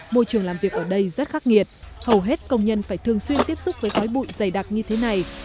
môi trường làm việc ở đây rất khắc nghiệt hầu hết công nhân phải thường xuyên tiếp xúc với khói bụi dày đặc như thế này